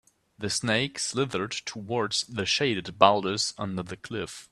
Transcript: The snake slithered toward the shaded boulders under the cliff.